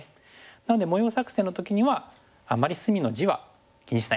なので模様作戦の時にはあんまり隅の地は気にしない。